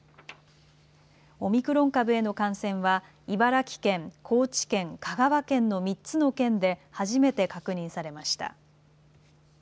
オミクロン株への感染は茨城県、高知県、香川県の３つの県で初めて確認されました。